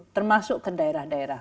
termasuk ke daerah daerah